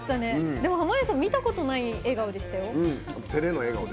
でも、濱家さん見たことない笑顔でしたよ。